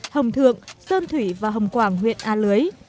hồng thượng sơn thủy và hồng quảng huyện a lưới